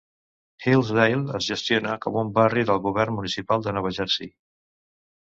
Hillsdale es gestiona com un barri del govern municipal de Nova Jersey.